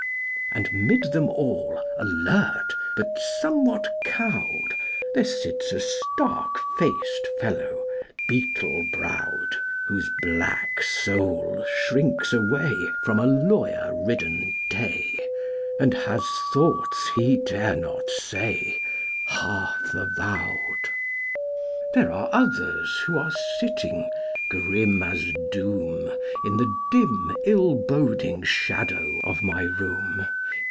And 'mid them all, alert, But somewhat cowed, There sits a stark faced fellow, Beetle browed, Whose black soul shrinks away From a lawyer ridden day, And has thoughts he dare not say Half avowed. There are others who are sitting, Grim as doom, In the dim ill boding shadow Of my room.